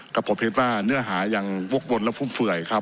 กับผมเห็นว่าเนื้อหายังวกวนและฟุ่มเฟื่อยครับ